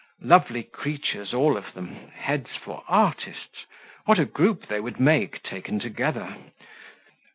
"Lovely creatures all of them heads for artists; what a group they would make, taken together!